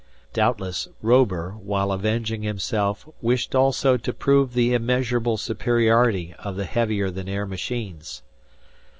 Doubtless, Robur, while avenging himself wished also to prove the immeasurable superiority of the heavier than air machines.